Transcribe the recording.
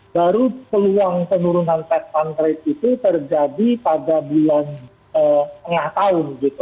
baru peluang penurunan test fund rate itu terjadi pada bulan tengah tahun gitu